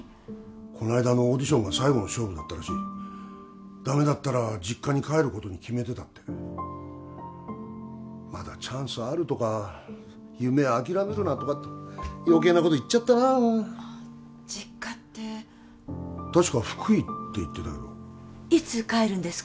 こないだのオーディションが最後の勝負だったらしいダメだったら実家に帰ることに決めてたって「まだチャンスある」とか「夢諦めるな」とかって余計なこと言っちゃったなもう実家って確か福井って言ってたけどいつ帰るんですか？